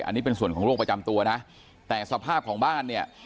อันนี้เป็นส่วนของโรคประจำตัวนะแต่สภาพของบ้านเนี่ย